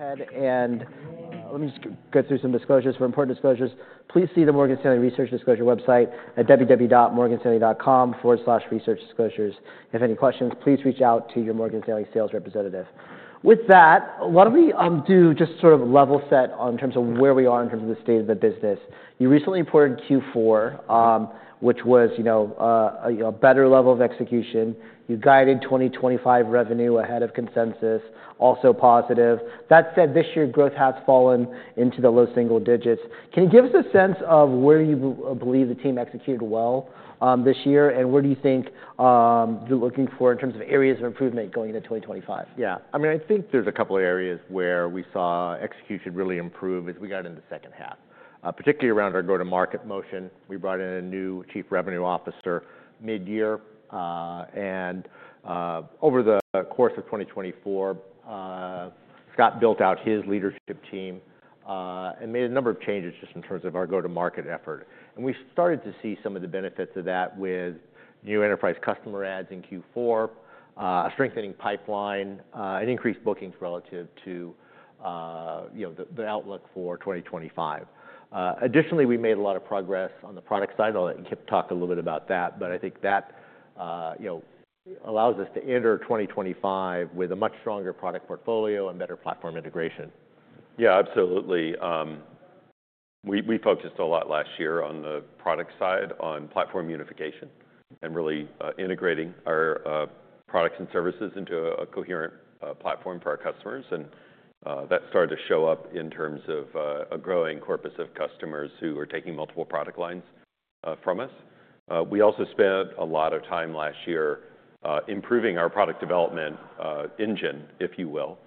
Go ahead and let me just go through some disclosures for important disclosures. Please see the Morgan Stanley Research Disclosure website at www.morganstanley.com/researchdisclosures. If any questions, please reach out to your Morgan Stanley sales representative. With that, why don't we do just sort of a level set on terms of where we are in terms of the state of the business. You recently reported Q4, which was, you know, a, you know, better level of execution. You guided 2025 revenue ahead of consensus, also positive. That said, this year growth has fallen into the low single digits. Can you give us a sense of where you believe the team executed well this year, and where do you think you're looking for in terms of areas of improvement going into 2025? Yeah. I mean, I think there's a couple of areas where we saw execution really improve as we got into the second half, particularly around our go-to-market motion. We brought in a new Chief Revenue Officer mid-year, and, over the course of 2024, Scott built out his leadership team and made a number of changes just in terms of our go-to-market effort. We started to see some of the benefits of that with new enterprise customer adds in Q4, a strengthening pipeline, and increased bookings relative to, you know, the outlook for 2025. Additionally, we made a lot of progress on the product side. I'll let Kip talk a little bit about that, but I think that, you know, allows us to enter 2025 with a much stronger product portfolio and better platform integration. Yeah, absolutely. We focused a lot last year on the product side, on platform unification and really integrating our products and services into a coherent platform for our customers. That started to show up in terms of a growing corpus of customers who were taking multiple product lines from us. We also spent a lot of time last year improving our product development engine, if you will.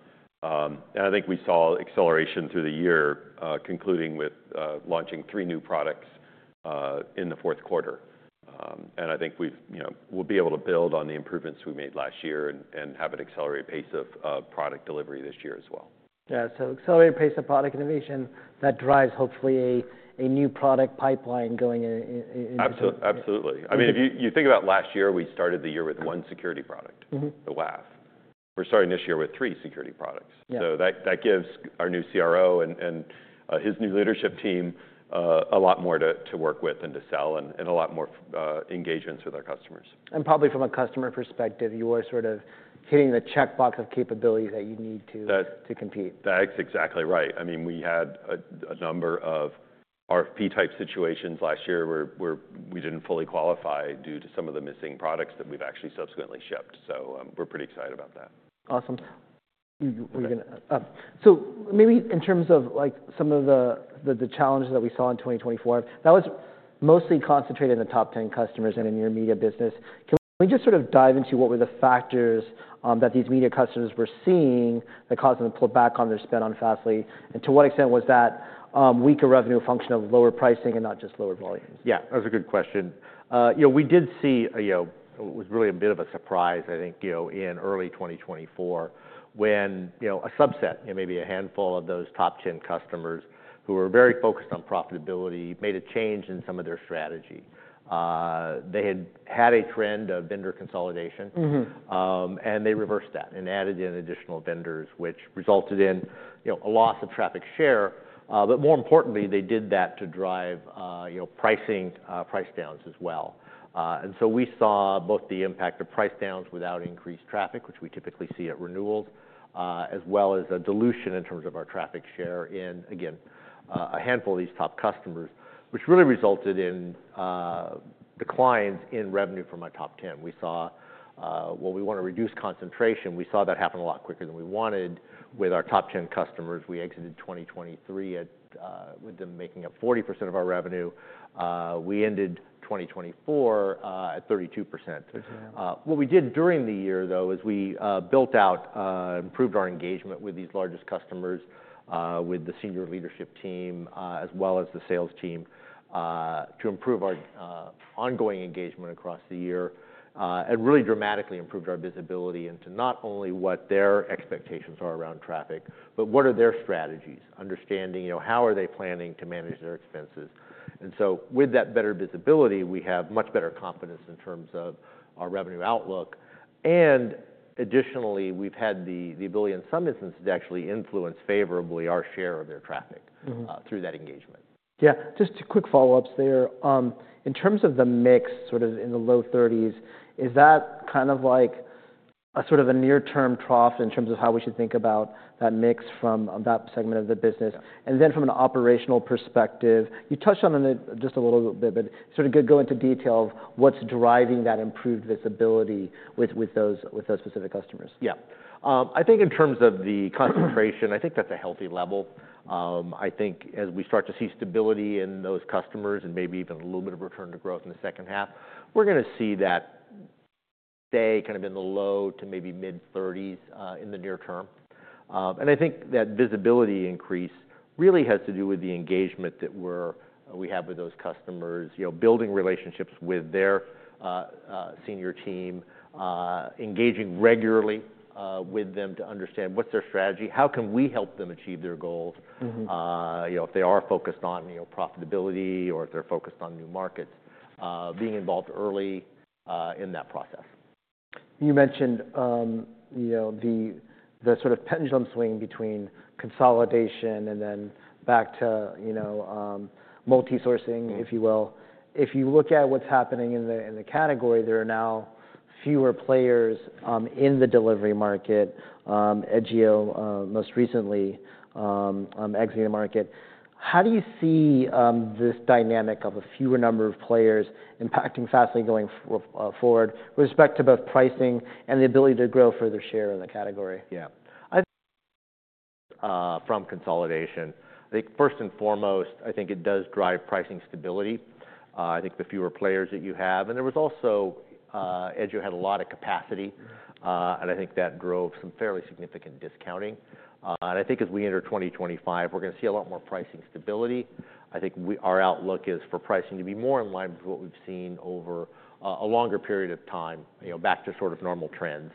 I think we saw acceleration through the year, concluding with launching three new products in the fourth quarter. I think we've, you know, we'll be able to build on the improvements we made last year and have an accelerated pace of product delivery this year as well. Yeah. Accelerated pace of product innovation that drives hopefully a new product pipeline going in. Absolutely. Absolutely. I mean, if you think about last year, we started the year with one security product. Mm-hmm. The WAF. We're starting this year with three security products. Yeah. That gives our new CRO and his new leadership team a lot more to work with and to sell and a lot more engagements with our customers. Probably from a customer perspective, you are sort of hitting the checkbox of capabilities that you need to. That. To compete. That's exactly right. I mean, we had a number of RFP-type situations last year where we didn't fully qualify due to some of the missing products that we've actually subsequently shipped. We are pretty excited about that. Awesome. Were you gonna, so maybe in terms of, like, some of the challenges that we saw in 2024, that was mostly concentrated in the top 10 customers and in your media business. Can we just sort of dive into what were the factors, that these media customers were seeing that caused them to pull back on their spend on Fastly? To what extent was that weaker revenue a function of lower pricing and not just lower volumes? Yeah, that was a good question. You know, we did see, you know, it was really a bit of a surprise, I think, you know, in early 2024 when, you know, a subset, you know, maybe a handful of those top 10 customers who were very focused on profitability made a change in some of their strategy. They had had a trend of vendor consolidation. Mm-hmm. They reversed that and added in additional vendors, which resulted in, you know, a loss of traffic share. More importantly, they did that to drive, you know, pricing, price downs as well. We saw both the impact of price downs without increased traffic, which we typically see at renewals, as well as a dilution in terms of our traffic share in, again, a handful of these top customers, which really resulted in declines in revenue from our top 10. We saw, well, we want to reduce concentration. We saw that happen a lot quicker than we wanted with our top 10 customers. We exited 2023 with them making up 40% of our revenue. We ended 2024 at 32%. 32. What we did during the year, though, is we built out, improved our engagement with these largest customers, with the senior leadership team, as well as the sales team, to improve our ongoing engagement across the year, and really dramatically improved our visibility into not only what their expectations are around traffic, but what are their strategies, understanding, you know, how are they planning to manage their expenses. With that better visibility, we have much better confidence in terms of our revenue outlook. Additionally, we've had the ability in some instances to actually influence favorably our share of their traffic. Mm-hmm. through that engagement. Yeah. Just two quick follow-ups there. In terms of the mix, sort of in the low 30s, is that kind of like a sort of a near-term trough in terms of how we should think about that mix from that segment of the business? Yeah. From an operational perspective, you touched on it just a little bit, but sort of go into detail of what's driving that improved visibility with those specific customers. Yeah. I think in terms of the concentration, I think that's a healthy level. I think as we start to see stability in those customers and maybe even a little bit of return to growth in the second half, we're gonna see that stay kind of in the low to maybe mid-30s, in the near term. I think that visibility increase really has to do with the engagement that we have with those customers, you know, building relationships with their senior team, engaging regularly with them to understand what's their strategy, how can we help them achieve their goals. Mm-hmm. You know, if they are focused on, you know, profitability or if they're focused on new markets, being involved early in that process. You mentioned, you know, the sort of pendulum swing between consolidation and then back to, you know, multi-sourcing. Mm-hmm. If you will. If you look at what's happening in the, in the category, there are now fewer players in the delivery market, Edgio most recently exiting the market. How do you see this dynamic of a fewer number of players impacting Fastly going forward with respect to both pricing and the ability to grow further share in the category? Yeah. I think, from consolidation, I think first and foremost, I think it does drive pricing stability. I think the fewer players that you have, and there was also, Edgio had a lot of capacity. Mm-hmm. I think that drove some fairly significant discounting. I think as we enter 2025, we're gonna see a lot more pricing stability. I think our outlook is for pricing to be more in line with what we've seen over a longer period of time, you know, back to sort of normal trends.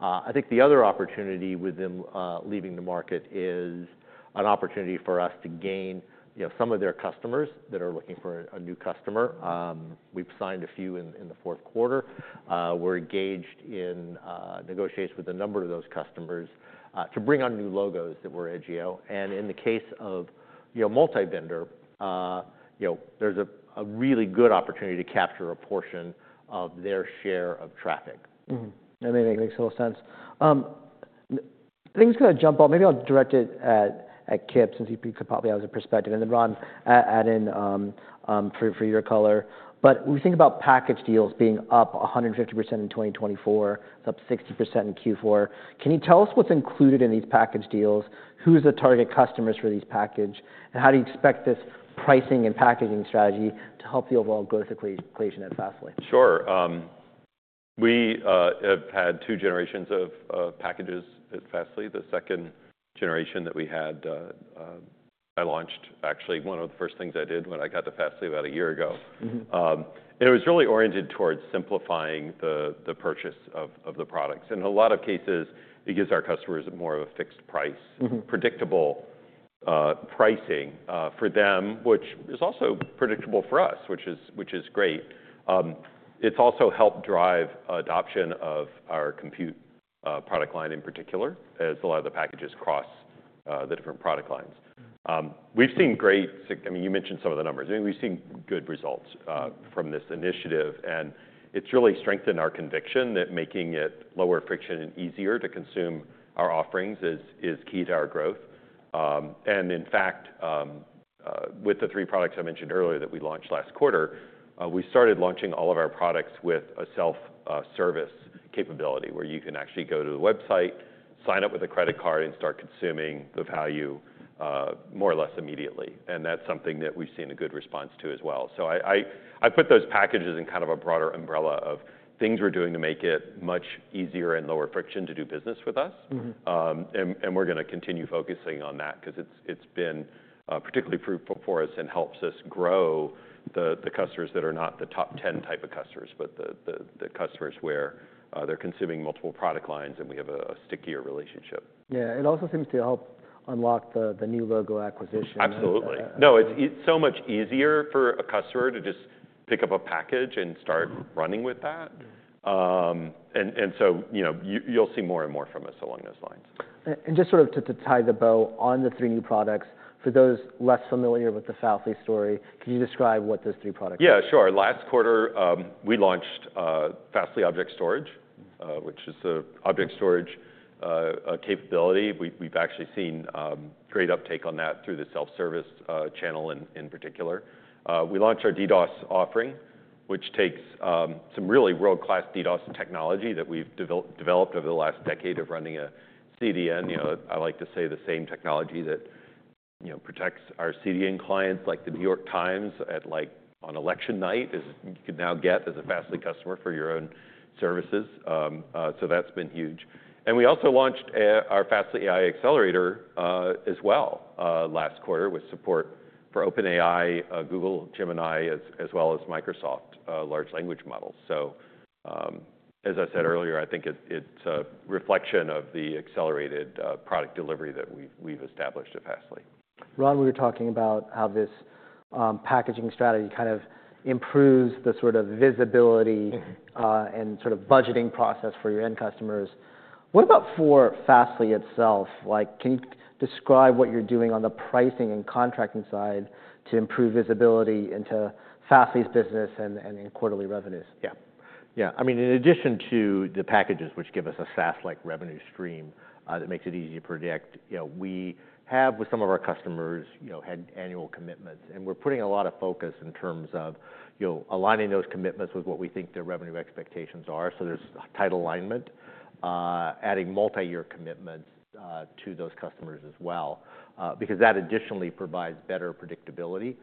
I think the other opportunity within leaving the market is an opportunity for us to gain, you know, some of their customers that are looking for a new customer. We've signed a few in the fourth quarter. We're engaged in negotiations with a number of those customers to bring on new logos that were Edgio. In the case of multi-vendor, you know, there's a really good opportunity to capture a portion of their share of traffic. Mm-hmm. That makes total sense. Things kinda jump up. Maybe I'll direct it at Kip since he picked up probably out of his perspective, and then Ron, add in, for your color. We think about package deals being up 150% in 2024, it's up 60% in Q4. Can you tell us what's included in these package deals? Who's the target customers for these package? How do you expect this pricing and packaging strategy to help the overall growth equation at Fastly? Sure. We have had two generations of packages at Fastly. The second generation that we had, I launched actually, one of the first things I did when I got to Fastly about a year ago. Mm-hmm. and it was really oriented towards simplifying the purchase of the products. In a lot of cases, it gives our customers more of a fixed price. Mm-hmm. Predictable pricing for them, which is also predictable for us, which is great. It's also helped drive adoption of our compute product line in particular as a lot of the packages cross the different product lines. We've seen great, I mean, you mentioned some of the numbers. I mean, we've seen good results from this initiative, and it's really strengthened our conviction that making it lower friction and easier to consume our offerings is key to our growth. In fact, with the three products I mentioned earlier that we launched last quarter, we started launching all of our products with a self-service capability where you can actually go to the website, sign up with a credit card, and start consuming the value more or less immediately. That's something that we've seen a good response to as well. I put those packages in kind of a broader umbrella of things we're doing to make it much easier and lower friction to do business with us. Mm-hmm. And we're gonna continue focusing on that 'cause it's been particularly fruitful for us and helps us grow the customers that are not the top 10 type of customers, but the customers where they're consuming multiple product lines and we have a stickier relationship. Yeah. It also seems to help unlock the new logo acquisition. Absolutely. Yeah. No, it's so much easier for a customer to just pick up a package and start running with that. Mm-hmm. and so, you know, you'll see more and more from us along those lines. And just sort of to tie the bow on the three new products, for those less familiar with the Fastly story, could you describe what those three products are? Yeah, sure. Last quarter, we launched Fastly Object Storage. Mm-hmm. which is an object storage capability. We've actually seen great uptake on that through the self-service channel in particular. We launched our DDoS offering, which takes some really world-class DDoS technology that we've developed over the last decade of running a CDN. You know, I like to say the same technology that, you know, protects our CDN clients like the New York Times at, like, on election night is you can now get as a Fastly customer for your own services. That's been huge. We also launched our Fastly AI Accelerator as well last quarter with support for OpenAI, Google, Gemini, as well as Microsoft large language models. As I said earlier, I think it's a reflection of the accelerated product delivery that we've established at Fastly. Ron, we were talking about how this packaging strategy kind of improves the sort of visibility. Mm-hmm. and sort of budgeting process for your end customers. What about for Fastly itself? Like, can you describe what you're doing on the pricing and contracting side to improve visibility into Fastly's business and, and in quarterly revenues? Yeah. Yeah. I mean, in addition to the packages, which give us a SaaS-like revenue stream, that makes it easy to predict, you know, we have with some of our customers, you know, had annual commitments, and we're putting a lot of focus in terms of, you know, aligning those commitments with what we think their revenue expectations are. There is tight alignment, adding multi-year commitments to those customers as well, because that additionally provides better predictability.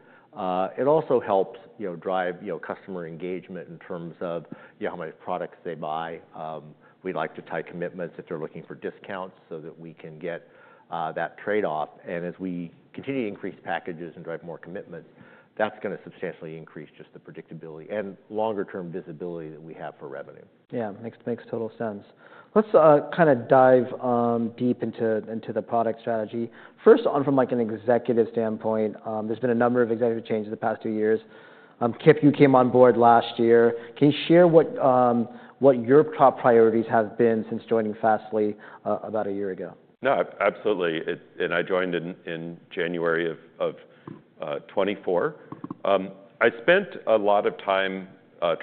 It also helps, you know, drive, you know, customer engagement in terms of, you know, how many products they buy. We like to tie commitments if they're looking for discounts so that we can get that trade-off. As we continue to increase packages and drive more commitments, that's gonna substantially increase just the predictability and longer-term visibility that we have for revenue. Yeah. Makes, makes total sense. Let's, kinda dive, deep into, into the product strategy. First on from, like, an executive standpoint, there's been a number of executive changes the past two years. Kip, you came on board last year. Can you share what, what your top priorities have been since joining Fastly, about a year ago? No, absolutely. I joined in January of 2024. I spent a lot of time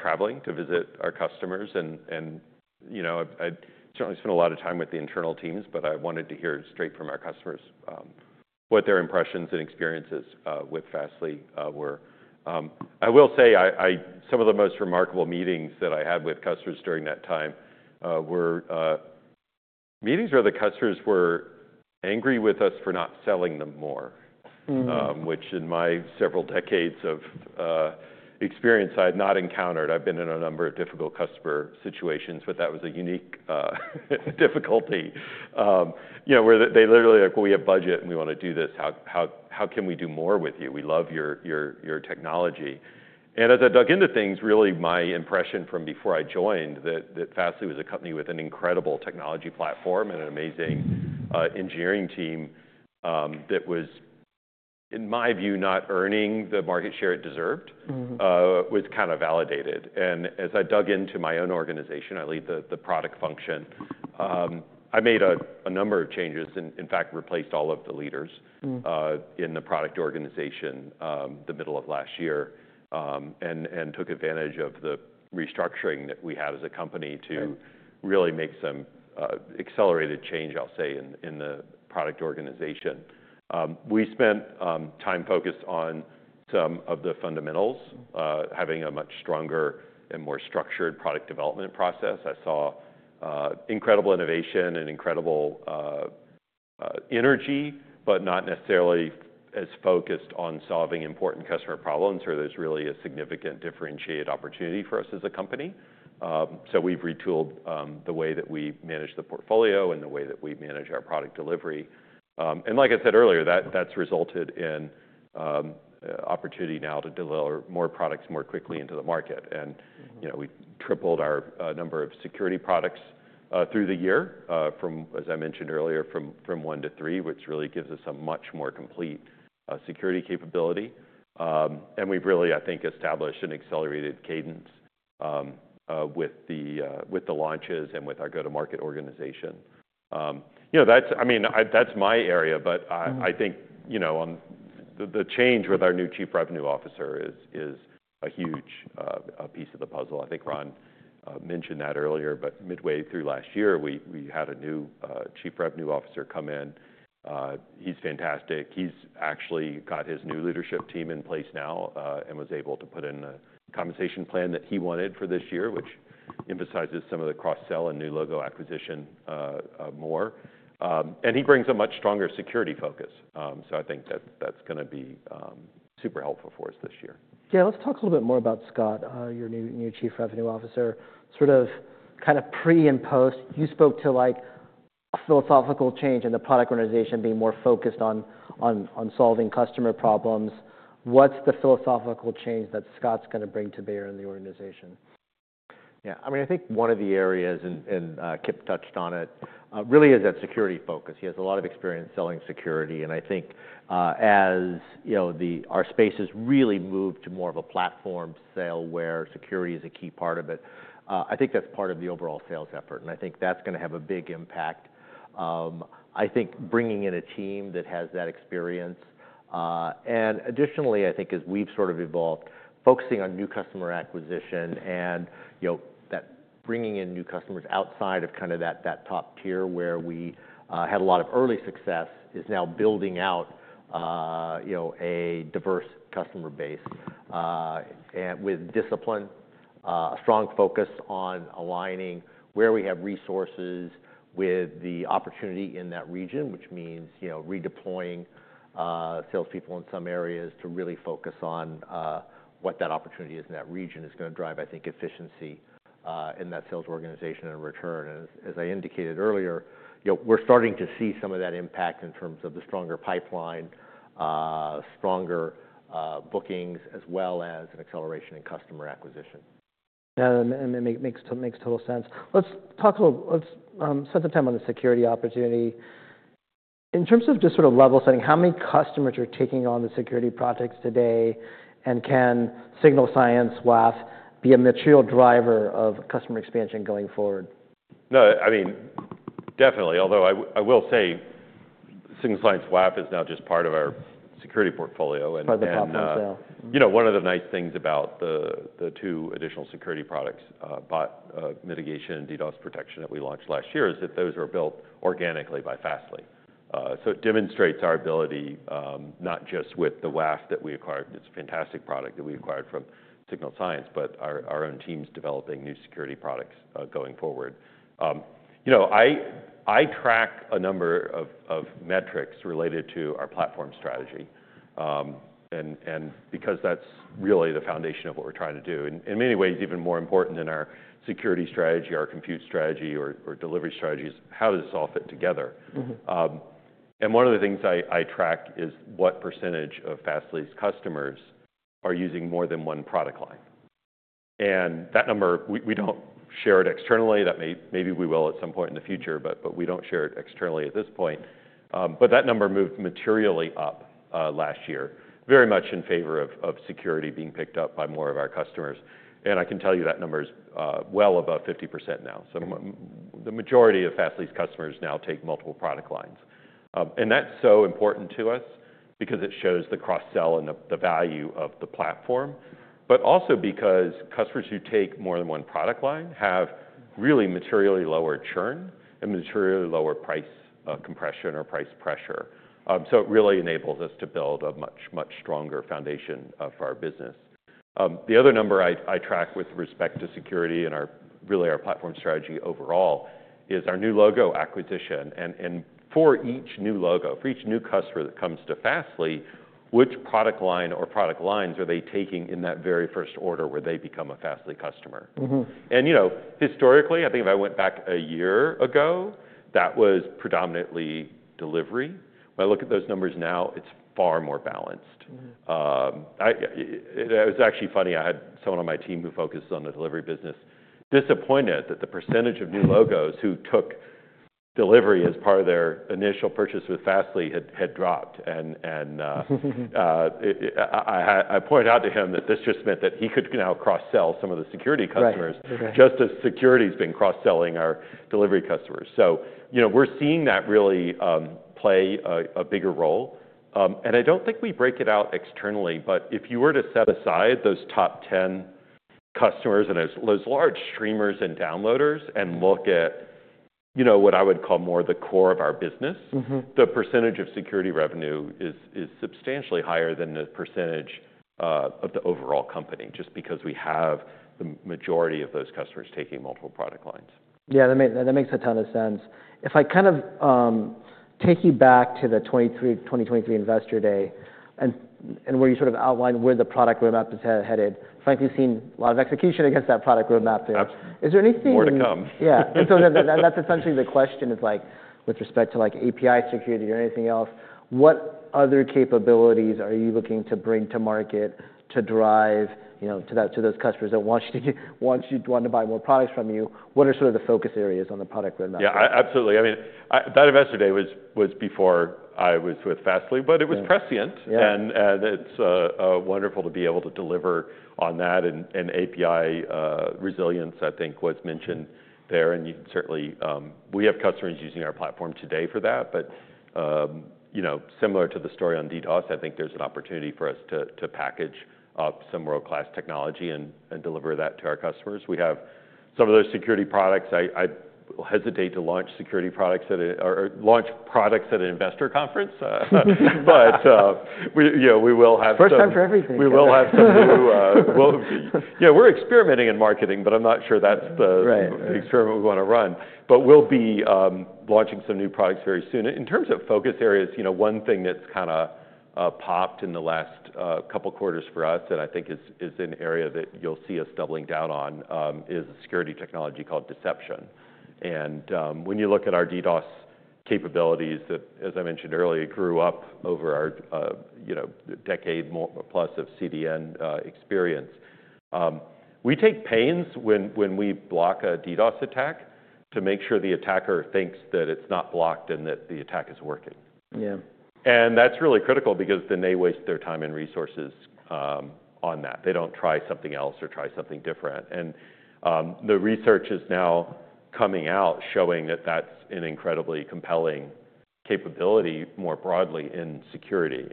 traveling to visit our customers and, you know, I certainly spent a lot of time with the internal teams, but I wanted to hear straight from our customers what their impressions and experiences with Fastly were. I will say some of the most remarkable meetings that I had with customers during that time were meetings where the customers were angry with us for not selling them more. Mm-hmm. which in my several decades of experience, I had not encountered. I've been in a number of difficult customer situations, but that was a unique difficulty. you know, where they literally are like, "Well, we have budget and we wanna do this. How, how, how can we do more with you? We love your, your, your technology." As I dug into things, really my impression from before I joined that Fastly was a company with an incredible technology platform and an amazing engineering team, that was, in my view, not earning the market share it deserved. Mm-hmm. was kinda validated. As I dug into my own organization, I lead the product function. I made a number of changes and, in fact, replaced all of the leaders. Mm-hmm. in the product organization, the middle of last year, and took advantage of the restructuring that we had as a company to. Mm-hmm. Really make some accelerated change, I'll say, in the product organization. We spent time focused on some of the fundamentals. Having a much stronger and more structured product development process. I saw incredible innovation and incredible energy, but not necessarily as focused on solving important customer problems where there's really a significant differentiated opportunity for us as a company. We have retooled the way that we manage the portfolio and the way that we manage our product delivery. Like I said earlier, that has resulted in opportunity now to deliver more products more quickly into the market. You know, we tripled our number of security products through the year, from, as I mentioned earlier, from one to three, which really gives us a much more complete security capability. And we've really, I think, established an accelerated cadence with the launches and with our go-to-market organization. You know, that's, I mean, that's my area, but I think, you know, the change with our new Chief Revenue Officer is a huge piece of the puzzle. I think Ron mentioned that earlier, but midway through last year, we had a new Chief Revenue Officer come in. He's fantastic. He's actually got his new leadership team in place now, and was able to put in a compensation plan that he wanted for this year, which emphasizes some of the cross-sell and new logo acquisition more. And he brings a much stronger security focus. I think that that's gonna be super helpful for us this year. Yeah. Let's talk a little bit more about Scott, your new Chief Revenue Officer. Sort of kinda pre and post, you spoke to, like, a philosophical change in the product organization being more focused on, on, on solving customer problems. What's the philosophical change that Scott's gonna bring to bear in the organization? Yeah. I mean, I think one of the areas, and Kip touched on it, really is that security focus. He has a lot of experience selling security. And I think, as you know, our space has really moved to more of a platform sale where security is a key part of it. I think that's part of the overall sales effort, and I think that's gonna have a big impact. I think bringing in a team that has that experience, and additionally, I think as we've sort of evolved, focusing on new customer acquisition and, you know, that bringing in new customers outside of kinda that, that top tier where we had a lot of early success is now building out, you know, a diverse customer base, and with discipline, a strong focus on aligning where we have resources with the opportunity in that region, which means, you know, redeploying salespeople in some areas to really focus on what that opportunity is in that region is gonna drive, I think, efficiency in that sales organization in return. As I indicated earlier, you know, we're starting to see some of that impact in terms of the stronger pipeline, stronger bookings as well as an acceleration in customer acquisition. Yeah. It makes total sense. Let's talk a little, let's spend some time on the security opportunity. In terms of just sort of level setting, how many customers are taking on the security projects today? And can Signal Sciences WAF be a material driver of customer expansion going forward? No, I mean, definitely. Although I will say Signal Sciences WAF is now just part of our security portfolio and, Part of the platform sale. You know, one of the nice things about the two additional security products, bot mitigation and DDoS protection that we launched last year is that those are built organically by Fastly. It demonstrates our ability, not just with the WAF that we acquired. It's a fantastic product that we acquired from Signal Sciences, but our own teams developing new security products, going forward. You know, I track a number of metrics related to our platform strategy, and because that's really the foundation of what we're trying to do. In many ways, even more important than our security strategy, our compute strategy, or delivery strategy is how does this all fit together. Mm-hmm. One of the things I track is what percentage of Fastly's customers are using more than one product line. That number, we do not share it externally. Maybe we will at some point in the future, but we do not share it externally at this point. That number moved materially up last year, very much in favor of security being picked up by more of our customers. I can tell you that number is well above 50% now. Mm-hmm. The majority of Fastly's customers now take multiple product lines, and that's so important to us because it shows the cross-sell and the value of the platform, but also because customers who take more than one product line have really materially lower churn and materially lower price compression or price pressure. It really enables us to build a much, much stronger foundation for our business. The other number I track with respect to security and really our platform strategy overall is our new logo acquisition. For each new logo, for each new customer that comes to Fastly, which product line or product lines are they taking in that very first order where they become a Fastly customer? Mm-hmm. You know, historically, I think if I went back a year ago, that was predominantly delivery. When I look at those numbers now, it's far more balanced. Mm-hmm. It was actually funny. I had someone on my team who focused on the delivery business disappointed that the % of new logos who took delivery as part of their initial purchase with Fastly had dropped. I point out to him that this just meant that he could now cross-sell some of the security customers. Right. Okay. Just as security's been cross-selling our delivery customers. You know, we're seeing that really play a bigger role. I don't think we break it out externally, but if you were to set aside those top 10 customers and those large streamers and downloaders and look at, you know, what I would call more the core of our business. Mm-hmm. The percentage of security revenue is substantially higher than the percentage of the overall company just because we have the majority of those customers taking multiple product lines. Yeah. That makes a ton of sense. If I kind of take you back to the 2023 investor day and where you sort of outlined where the product roadmap is headed, frankly, seen a lot of execution against that product roadmap there. Absolutely. Is there anything? More to come. Yeah. That is essentially the question is like, with respect to, like, API security or anything else, what other capabilities are you looking to bring to market to drive, you know, to that to those customers that want you to want you want to buy more products from you? What are sort of the focus areas on the product roadmap? Yeah. I absolutely. I mean, that investor day was, was before I was with Fastly, but it was prescient. Yeah. It's wonderful to be able to deliver on that. API resilience, I think, was mentioned there. You can certainly, we have customers using our platform today for that. You know, similar to the story on DDoS, I think there's an opportunity for us to package some world-class technology and deliver that to our customers. We have some of those security products. I hesitate to launch security products or launch products at an investor conference, but we, you know, we will have some. First time for everything. We will have some new, we'll be, yeah, we're experimenting in marketing, but I'm not sure that's the. Right. Experiment we wanna run. We'll be launching some new products very soon. In terms of focus areas, you know, one thing that's kinda popped in the last couple quarters for us that I think is an area that you'll see us doubling down on is a security technology called Deception. When you look at our DDoS capabilities that, as I mentioned earlier, grew up over our, you know, decade more plus of CDN experience, we take pains when we block a DDoS attack to make sure the attacker thinks that it's not blocked and that the attack is working. Yeah. That's really critical because then they waste their time and resources on that. They don't try something else or try something different. The research is now coming out showing that that's an incredibly compelling capability more broadly in security.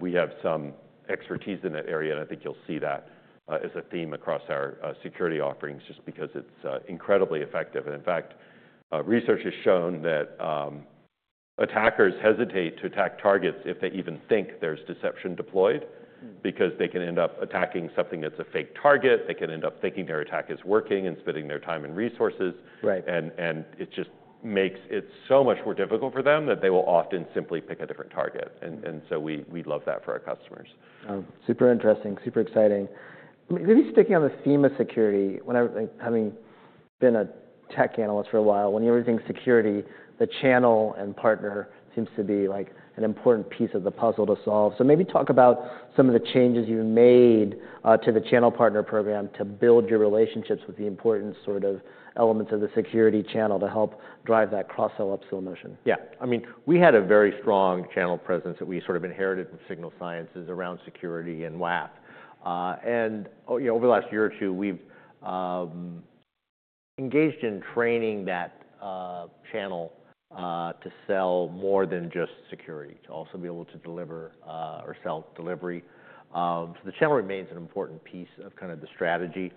We have some expertise in that area, and I think you'll see that as a theme across our security offerings just because it's incredibly effective. In fact, research has shown that attackers hesitate to attack targets if they even think there's deception deployed. Because they can end up attacking something that's a fake target. They can end up thinking their attack is working and spending their time and resources. Right. It just makes it so much more difficult for them that they will often simply pick a different target. We love that for our customers. Super interesting, super exciting. Maybe sticking on the theme of security, when I've, like, having been a tech analyst for a while, when you ever think security, the channel and partner seems to be, like, an important piece of the puzzle to solve. Maybe talk about some of the changes you made to the channel partner program to build your relationships with the important sort of elements of the security channel to help drive that cross-sell upsell motion. Yeah. I mean, we had a very strong channel presence that we sort of inherited from Signal Sciences around security and WAF. You know, over the last year or two, we've engaged in training that channel to sell more than just security, to also be able to deliver, or sell delivery. The channel remains an important piece of kind of the strategy,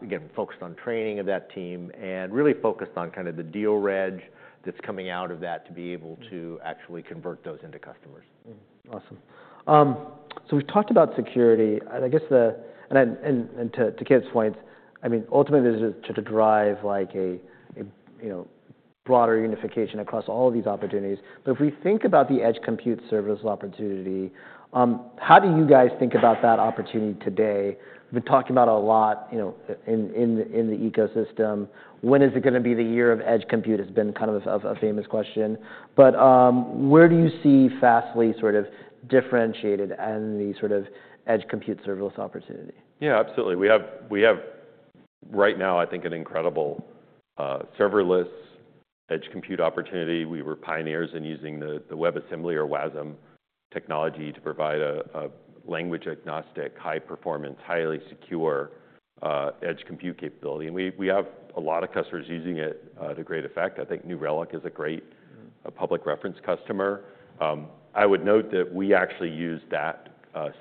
again, focused on training of that team and really focused on kind of the deal reg that's coming out of that to be able to actually convert those into customers. Mm-hmm. Awesome. We have talked about security. I guess, to Kip's points, ultimately, this is to drive, like, a broader unification across all of these opportunities. If we think about the edge compute service opportunity, how do you guys think about that opportunity today? We have been talking about it a lot, you know, in the ecosystem. When is it gonna be the year of edge compute has been kind of a famous question. Where do you see Fastly sort of differentiated and the sort of edge compute serverless opportunity? Yeah, absolutely. We have right now, I think, an incredible, serverless edge compute opportunity. We were pioneers in using the WebAssembly or WASM technology to provide a language-agnostic, high-performance, highly secure edge compute capability. We have a lot of customers using it, to great effect. I think New Relic is a great. Mm-hmm. public reference customer. I would note that we actually use that,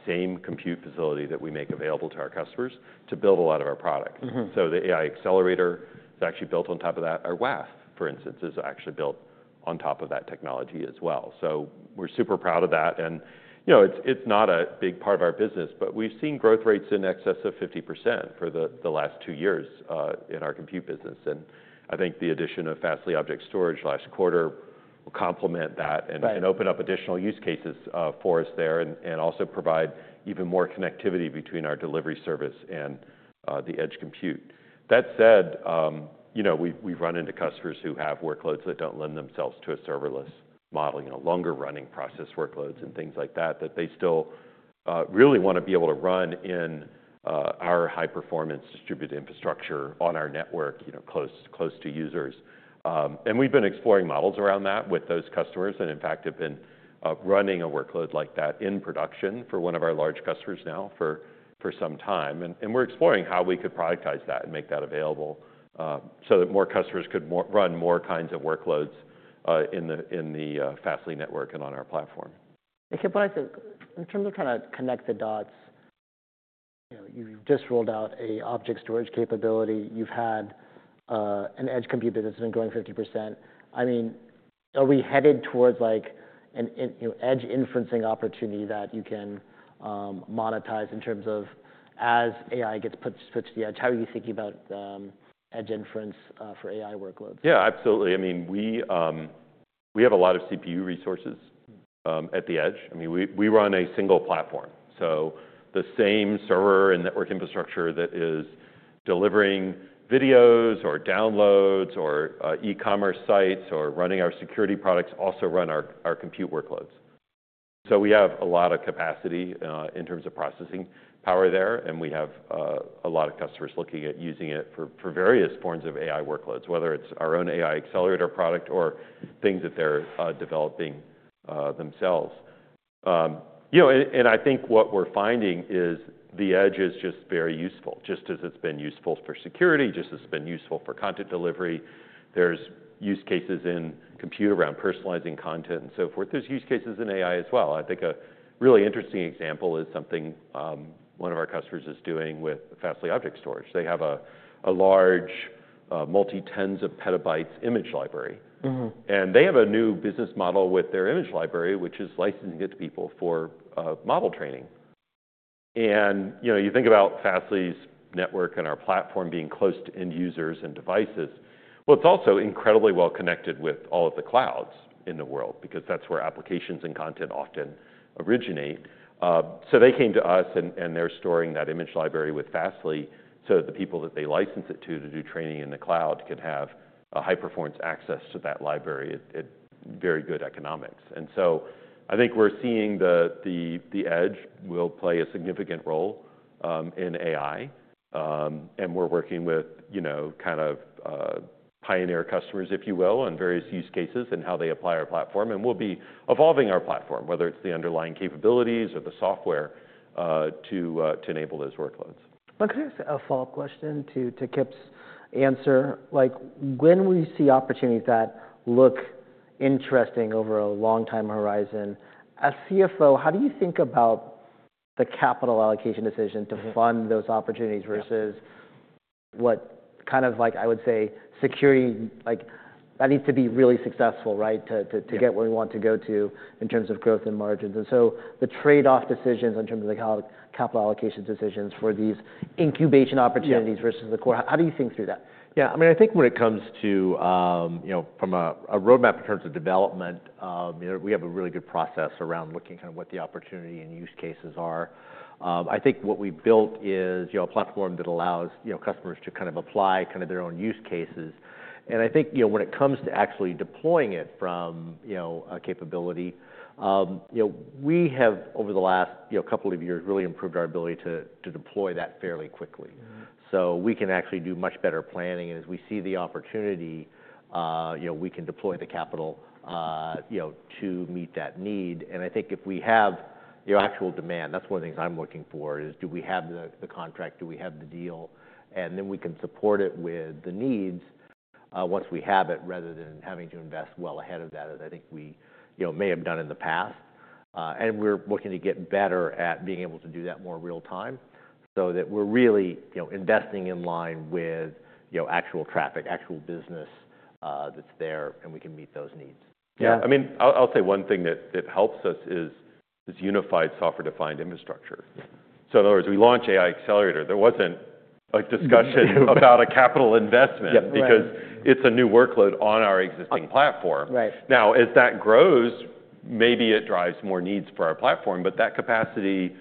same compute facility that we make available to our customers to build a lot of our products. Mm-hmm. The AI accelerator is actually built on top of that. Our WAF, for instance, is actually built on top of that technology as well. We're super proud of that. You know, it's not a big part of our business, but we've seen growth rates in excess of 50% for the last two years in our compute business. I think the addition of Fastly Object Storage last quarter will complement that. Right. Open up additional use cases for us there, and also provide even more connectivity between our delivery service and the edge compute. That said, you know, we've run into customers who have workloads that don't lend themselves to a serverless model, you know, longer-running process workloads and things like that, that they still really want to be able to run in our high-performance distributed infrastructure on our network, you know, close to users. We've been exploring models around that with those customers and, in fact, have been running a workload like that in production for one of our large customers now for some time. We're exploring how we could productize that and make that available, so that more customers could run more kinds of workloads in the Fastly network and on our platform. Kip, what I think in terms of trying to connect the dots, you know, you've just rolled out a object storage capability. You've had an edge compute that has been growing 50%. I mean, are we headed towards, like, an in, you know, edge inferencing opportunity that you can monetize in terms of as AI gets put, switched to the edge? How are you thinking about edge inference, for AI workloads? Yeah, absolutely. I mean, we have a lot of CPU resources. Mm-hmm. at the edge. I mean, we run a single platform. So the same server and network infrastructure that is delivering videos or downloads or e-commerce sites or running our security products also run our compute workloads. We have a lot of capacity, in terms of processing power there. We have a lot of customers looking at using it for various forms of AI workloads, whether it's our own AI accelerator product or things that they're developing themselves. You know, I think what we're finding is the edge is just very useful, just as it's been useful for security, just as it's been useful for content delivery. There are use cases in compute around personalizing content and so forth. There are use cases in AI as well. I think a really interesting example is something one of our customers is doing with Fastly Object Storage. They have a large, multi-tens of petabytes image library. Mm-hmm. They have a new business model with their image library, which is licensing it to people for model training. You know, you think about Fastly's network and our platform being close to end users and devices. It is also incredibly well connected with all of the clouds in the world because that is where applications and content often originate. They came to us and they are storing that image library with Fastly so that the people that they license it to, to do training in the cloud, can have high-performance access to that library at very good economics. I think we are seeing the edge will play a significant role in AI. We are working with, you know, kind of pioneer customers, if you will, on various use cases and how they apply our platform. We will be evolving our platform, whether it's the underlying capabilities or the software, to enable those workloads. Could I ask a follow-up question to Kip's answer? Like, when we see opportunities that look interesting over a long-time horizon, as CFO, how do you think about the capital allocation decision to fund those opportunities versus what kind of, like, I would say security, like, that needs to be really successful, right, to get where we want to go to in terms of growth and margins? The trade-off decisions in terms of the capital allocation decisions for these incubation opportunities versus the core, how do you think through that? Yeah. I mean, I think when it comes to, you know, from a roadmap in terms of development, you know, we have a really good process around looking kinda what the opportunity and use cases are. I think what we built is, you know, a platform that allows, you know, customers to kind of apply kinda their own use cases. I think, you know, when it comes to actually deploying it from, you know, a capability, you know, we have, over the last, you know, couple of years, really improved our ability to, to deploy that fairly quickly. Mm-hmm. We can actually do much better planning. As we see the opportunity, you know, we can deploy the capital, you know, to meet that need. I think if we have, you know, actual demand, that's one of the things I'm looking for is, do we have the, the contract? Do we have the deal? Then we can support it with the needs, once we have it, rather than having to invest well ahead of that, as I think we, you know, may have done in the past. We're looking to get better at being able to do that more real-time so that we're really, you know, investing in line with, you know, actual traffic, actual business that's there, and we can meet those needs. Yeah. Yeah. I mean, I'll say one thing that helps us is unified software-defined infrastructure. In other words, we launch AI accelerator. There wasn't a discussion about a capital investment. Yep. Because it's a new workload on our existing platform. Right. Now, as that grows, maybe it drives more needs for our platform. That capacity,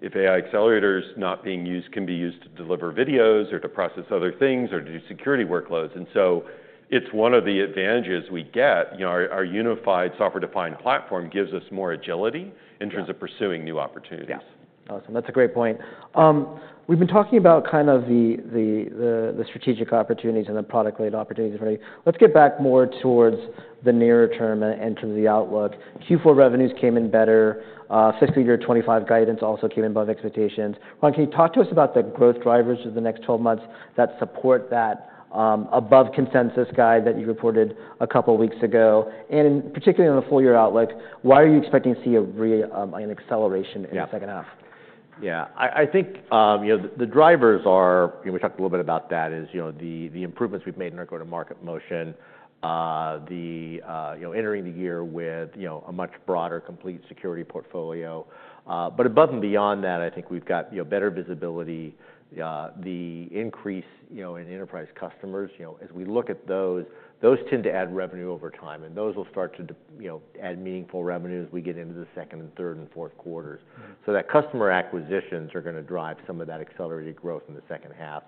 if AI Accelerator's not being used, can be used to deliver videos or to process other things or to do security workloads. It is one of the advantages we get. You know, our unified software-defined platform gives us more agility in terms of pursuing new opportunities. Yeah. Awesome. That's a great point. We've been talking about kind of the strategic opportunities and the product-related opportunities already. Let's get back more towards the nearer term in terms of the outlook. Q4 revenues came in better. Fiscal year 2025 guidance also came in above expectations. Ron, can you talk to us about the growth drivers of the next 12 months that support that above-consensus guide that you reported a couple weeks ago? In particular, on the full-year outlook, why are you expecting to see a re, an acceleration in the second half? Yeah. Yeah. I think, you know, the drivers are, you know, we talked a little bit about that, is, you know, the improvements we've made in our go-to-market motion, the, you know, entering the year with, you know, a much broader complete security portfolio. Above and beyond that, I think we've got, you know, better visibility, the increase, you know, in enterprise customers. You know, as we look at those, those tend to add revenue over time. Those will start to, you know, add meaningful revenue as we get into the second and third and fourth quarters. Mm-hmm. That customer acquisitions are gonna drive some of that accelerated growth in the second half.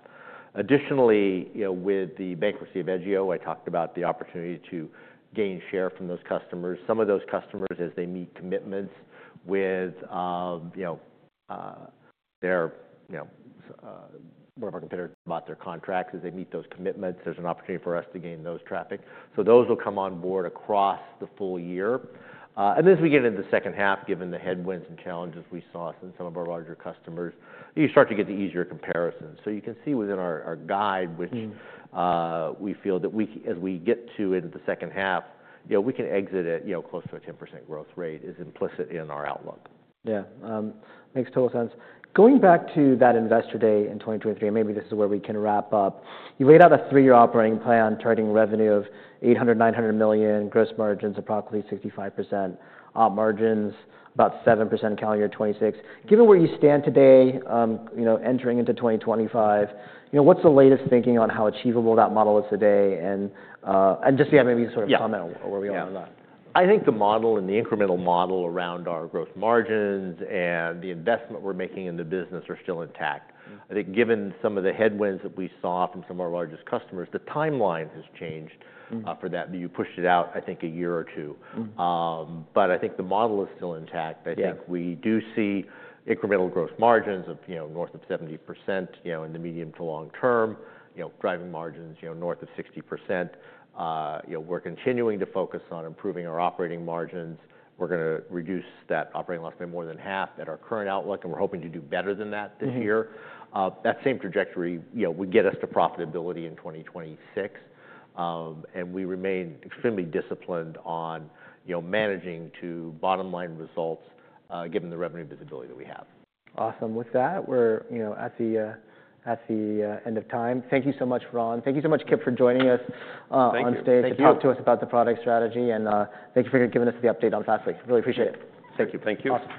Additionally, you know, with the bankruptcy of Edgio, I talked about the opportunity to gain share from those customers. Some of those customers, as they meet commitments with, you know, one of our competitors bought their contracts. As they meet those commitments, there's an opportunity for us to gain those traffic. Those will come on board across the full year. As we get into the second half, given the headwinds and challenges we saw since some of our larger customers, you start to get the easier comparisons. You can see within our guide, which. Mm-hmm. We feel that we, as we get to in the second half, you know, we can exit at, you know, close to a 10% growth rate is implicit in our outlook. Yeah. Makes total sense. Going back to that investor day in 2023, and maybe this is where we can wrap up, you laid out a three-year operating plan targeting revenue of $800 million-$900 million, gross margins of approximately 65%, margins, about 7% calendar year 2026. Given where you stand today, you know, entering into 2025, you know, what's the latest thinking on how achievable that model is today? And just, yeah, maybe sort of comment on where we are on that. Yeah. I think the model and the incremental model around our gross margins and the investment we're making in the business are still intact. Mm-hmm. I think given some of the headwinds that we saw from some of our largest customers, the timeline has changed. Mm-hmm. for that. You pushed it out, I think, a year or two. Mm-hmm. I think the model is still intact. Yeah. I think we do see incremental gross margins of, you know, north of 70%, you know, in the medium to long term, you know, driving margins, you know, north of 60%. You know, we're continuing to focus on improving our operating margins. We're gonna reduce that operating loss by more than half at our current outlook. And we're hoping to do better than that this year. Mm-hmm. that same trajectory, you know, would get us to profitability in 2026. We remain extremely disciplined on, you know, managing to bottom-line results, given the revenue visibility that we have. Awesome. With that, we're, you know, at the, at the end of time. Thank you so much, Ron. Thank you so much, Kip, for joining us, Thank you. On stage. Thank you. To talk to us about the product strategy. Thank you for giving us the update on Fastly. Really appreciate it. Thank you. Thank you.